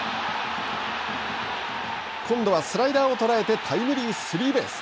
今度はスライダーを捉えてタイムリースリーベース。